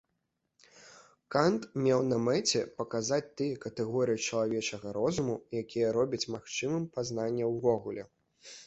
Кант меў на мэце паказаць тыя катэгорыі чалавечага розуму, якія робяць магчымым пазнанне ўвогуле.